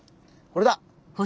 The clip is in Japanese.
これだ！